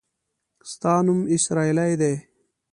ستا نوم اسراییلي دی.